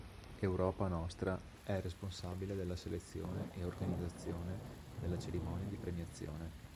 Europa Nostra è responsabile della selezione e organizzazione della cerimonia di premiazione.